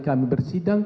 karena sudah hampir